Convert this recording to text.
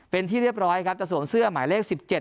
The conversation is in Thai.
เป็นที่เรียบร้อยครับจะสวมเสื้อหมายเลข๑๗